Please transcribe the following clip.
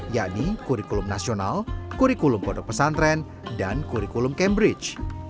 yakni kurikulum nasional kurikulum pondok pesantren dan kurikulum cambridge